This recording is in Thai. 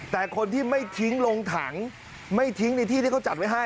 แต่คนที่ไม่ทิ้งลงถังไม่ทิ้งในที่ที่เขาจัดไว้ให้